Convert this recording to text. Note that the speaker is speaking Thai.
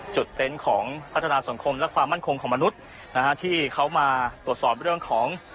เต็นต์ของพัฒนาสังคมและความมั่นคงของมนุษย์นะฮะที่เขามาตรวจสอบเรื่องของ